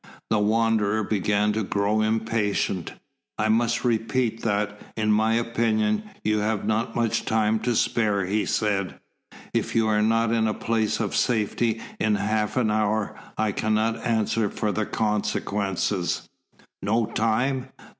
The Wanderer began to grow impatient. "I must repeat that, in my opinion, you have not much time to spare," he said. "If you are not in a place of safety in half an hour, I cannot answer for the consequences." "No time?